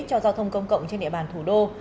cho giao thông công cộng trên địa bàn thủ đô